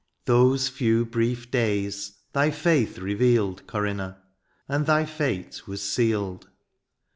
Those few brief days thy fidth revealed, Corinna, and thy fate was sealed.